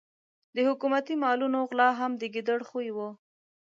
د حکومتي مالونو غلا هم د ګیدړ خوی وو.